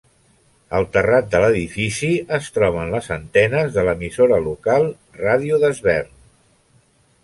Al terrat de l'edifici es troben les antenes de l'emissora local Ràdio Desvern.